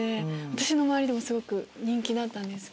私の周りでもすごく人気だった。